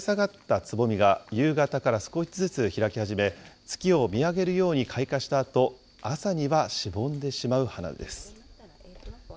月下美人は垂れ下がったつぼみが夕方から少しずつ開き始め、月を見上げるように開花したあと、朝にはしぼんでしまう花です。